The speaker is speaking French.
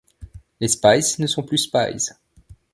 Les Spies ne sont plus Spies.